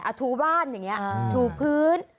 ถูบ้านอย่างนี้ถูพื้น